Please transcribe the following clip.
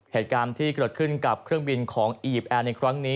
เหตุการณ์ที่เกิดขึ้นกับเครื่องบินของอียิปต์แอร์ในครั้งนี้